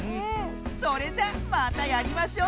それじゃまたやりましょう！